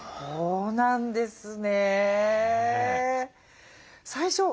そうなんですか。